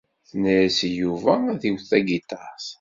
Tenna-as i Yuba ad iwet tagiṭart.